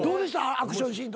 アクションシーンとか。